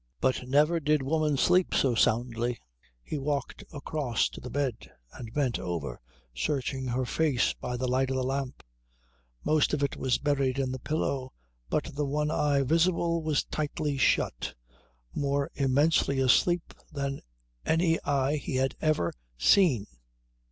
But never did woman sleep so soundly. He walked across to the bed and bent over, searching her face by the light of the lamp. Most of it was buried in the pillow, but the one eye visible was tightly shut, more immensely asleep than any eye he had ever seen.